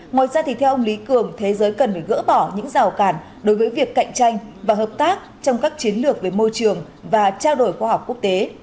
ngoài ra thì theo ông lý cường thế giới cần phải gỡ bỏ những rào cản đối với việc cạnh tranh và hợp tác trong các chiến lược về môi trường và trao đổi khoa học quốc tế